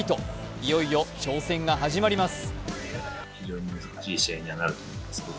いよいよ挑戦が始まります。